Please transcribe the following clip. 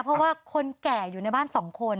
เพราะว่าคนแก่อยู่ในบ้าน๒คน